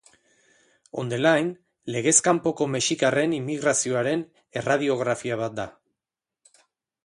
On the line legez kanpoko mexikarren immigrazioaren erradiografia bat da.